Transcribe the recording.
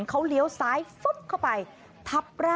เขาเลี้ยวซ้ายฟึ๊บเข้าไปทับร่าง